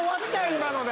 今ので。